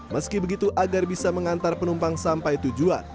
meski begitu agar bisa mengantar penumpang sampai tujuan